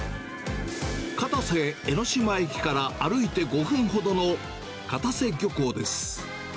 片瀬江ノ島駅から歩いて５分ほどの片瀬漁港です。